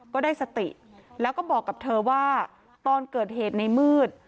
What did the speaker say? ก็ได้สติแล้วก็บอกกับเธอว่าตอนเกิดเหตุในมืด